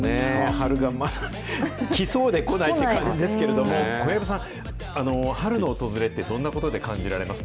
春がまだ来そうで来ないって感じですけれども、小籔さん、春の訪れってどんなことで感じられます